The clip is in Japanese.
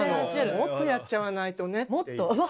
もっとやっちゃわないと。